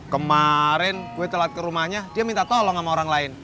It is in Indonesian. kemarin gue telat ke rumahnya dia minta tolong sama orang lain